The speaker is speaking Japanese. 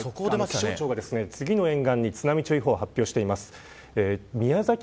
気象庁が次の沿岸に津波注意報を発表しています。